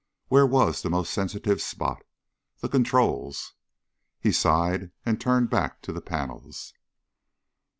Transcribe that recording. Where was the most sensitive spot? The controls. He sighed and turned back to the panels.